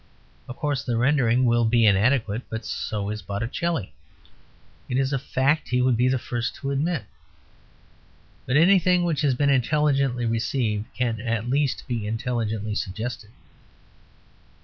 Of course, the rendering will be inadequate but so is Botticelli. It is a fact he would be the first to admit. But anything which has been intelligently received can at least be intelligently suggested.